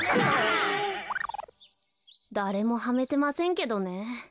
だれもハメてませんけどね。